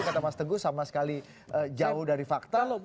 kata mas teguh sama sekali jauh dari fakta